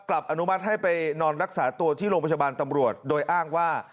อนุมัติให้ไปนอนรักษาตัวที่โรงพยาบาลตำรวจโดยอ้างว่า